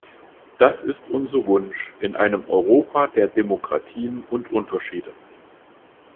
Das ist unser Wunsch, in einem Europa der Demokratien und Unterschiede.